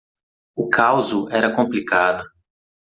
O causo era complicado.